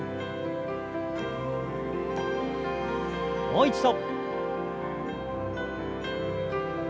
もう一度。